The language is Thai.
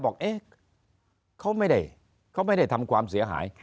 บอกเอ๊ะเขาไม่ได้เขาไม่ได้ทำความเสียหาย